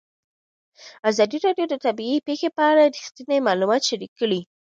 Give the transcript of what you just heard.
ازادي راډیو د طبیعي پېښې په اړه رښتیني معلومات شریک کړي.